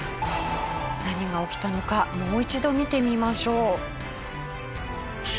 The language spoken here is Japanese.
何が起きたのかもう一度見てみましょう。